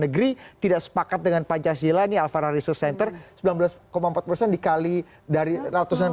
negeri tidak sepakat dengan pancasila ini alfara research center sembilan belas empat persen dikali dari ratusan